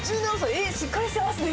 えー、しっかりしてますね。